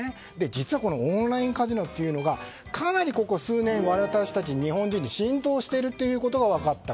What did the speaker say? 実はオンラインカジノというのがかなりここ数年私たち日本人に浸透していることが分かった。